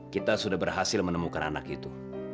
kita sudah berhasil menemukan anak itu